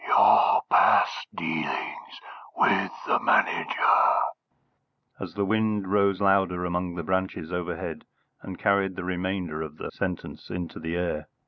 "Your past dealings with the Manager," came the answer, as the wind rose louder among the branches overhead and carried off the remainder of the sentence into the air.